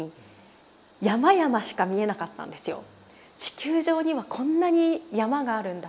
地球上にはこんなに山があるんだと。